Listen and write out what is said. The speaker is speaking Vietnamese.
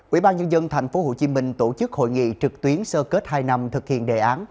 ủy ban nhân dân tp hcm tổ chức hội nghị trực tuyến sơ kết hai năm thực hiện đề án